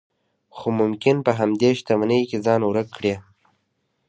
خو ممکن په همدې شتمنۍ کې ځان ورک کړئ.